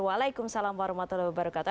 waalaikumsalam warahmatullahi wabarakatuh